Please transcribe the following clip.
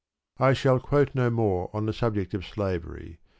I shall quote no more on the subject of slavery.